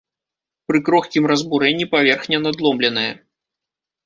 Пры крохкім разбурэнні паверхня надломленая.